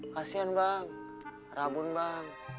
kasian bang rabun bang